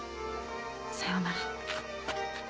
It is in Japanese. さようなら。